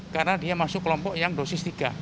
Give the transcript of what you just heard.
karena dia masuk kelompok yang dosis tiga